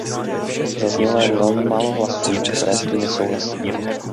Zaznělo jen velmi málo hlasů, které s tím nesouhlasí.